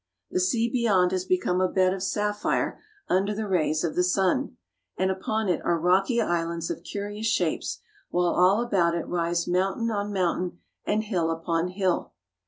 The sea beyond has become a bed of sapphire under the rays of the sun, and upon it are rocky islands of curious shapes, while all about it rise mountain on mountain and hill upon hill.